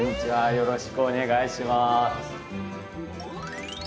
よろしくお願いします。